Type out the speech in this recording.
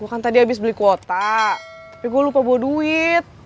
bukan tadi habis beli kuota tapi gue lupa bawa duit